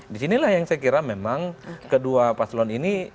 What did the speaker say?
disinilah yang saya kira memang kedua paslon ini